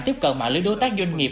tiếp cận mạng lưới đối tác doanh nghiệp